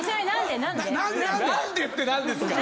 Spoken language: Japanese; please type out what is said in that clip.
「何で」って何ですか